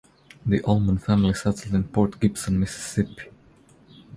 The Ullman family settled in Port Gibson, Mississippi.